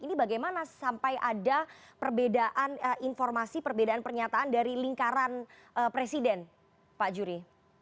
ini bagaimana sampai ada perbedaan informasi perbedaan pernyataan dari lingkaran presiden pak juri